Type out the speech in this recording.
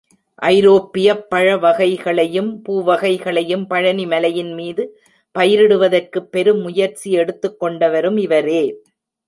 ஐரோப்பியப் பழவகைகளையும் பூவகைகளையும் பழனிமலையின் மீது பயிரிடுவதற்குப் பெருமுயற்சி எடுத்துக்கொண்டவரும் இவரே.